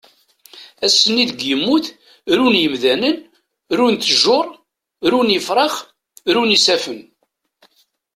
Ass-nni deg yemmut run yemdanen, runt tjuṛ, run ifrax, run isaffen.